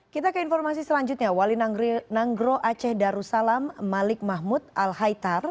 kita ke informasi selanjutnya wali nanggro aceh darussalam malik mahmud al haitar